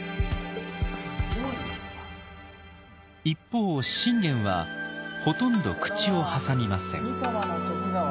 一方信玄はほとんど口を挟みません。